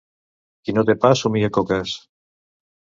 Qui no té pa somnia coques.